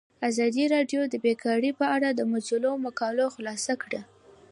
ازادي راډیو د بیکاري په اړه د مجلو مقالو خلاصه کړې.